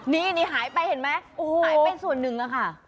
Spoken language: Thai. นี่หายไปเห็นไหมหายไปส่วนหนึ่งอะค่ะ